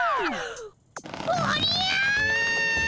おりゃ！